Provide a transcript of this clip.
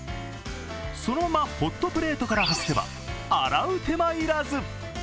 そのままホットプレートから外せば洗う手間要らず。